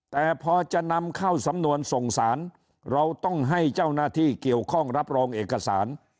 แต่พอจะนำเข้าสำนวนส่งสารเราต้องให้เจ้าหน้าที่เกี่ยวข้องรับรองเอกสาร